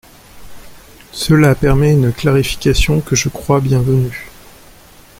Cela permet une clarification que je crois bienvenue.